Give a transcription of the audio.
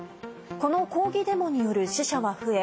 この抗議デモによる死者が増え